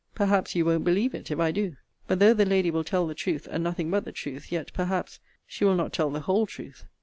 Perhaps you won't believe it, if I do. But though the lady will tell the truth, and nothing but the truth, yet, perhaps, she will not tell the whole truth.